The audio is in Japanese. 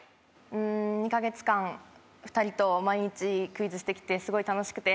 うん２か月間２人と毎日クイズして来てすごい楽しくて。